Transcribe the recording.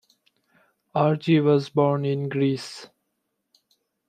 Argea was born in Greece.